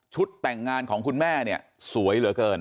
แต่งงานของคุณแม่เนี่ยสวยเหลือเกิน